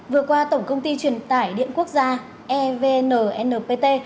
vừa qua tổng công ty truyền tải điện quốc gia evnnpt